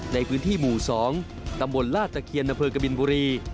ในพื้นที่หมู่๒ตำบลลาดตะเคียนอำเภอกบินบุรี